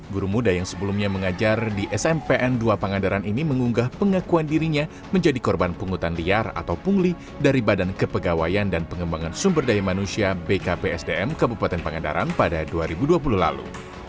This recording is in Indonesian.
guru muda yang sebelumnya mengajar di smpn dua pangandaran ini mengunggah pengakuan dirinya menjadi korban pungutan liar atau pungli dari badan kepegawaian dan pengembangan sumber daya manusia bkpsdm kabupaten pangandaran pada dua ribu dua puluh lalu